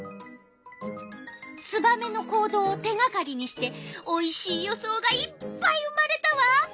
ツバメの行動を手がかりにしておいしい予想がいっぱい生まれたわ。